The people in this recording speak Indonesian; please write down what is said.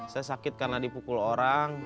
saya sakit karena dipukul orang